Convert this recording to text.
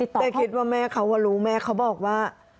แต่คิดว่าแม่เขารู้แม่เขาบอกว่า